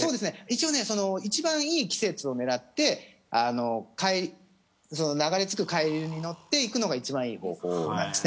一応、一番いい季節を狙って流れ着く海流に乗っていくのが一番いい方法で。